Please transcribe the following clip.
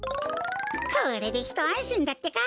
これでひとあんしんだってか。